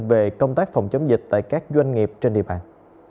về công tác phòng chống dịch tại các doanh nghiệp trên địa bàn